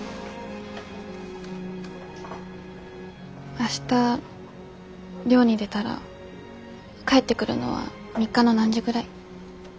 明日漁に出たら帰ってくるのは３日の何時ぐらい？